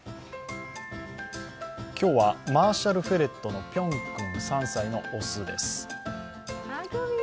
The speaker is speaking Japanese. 今日は、マーシャルフェレットのぴょん君３歳の雄です。